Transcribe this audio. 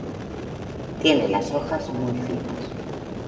Tiene Las hojas muy finas.